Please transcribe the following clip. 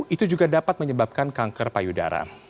itu juga dapat menyebabkan kanker payudara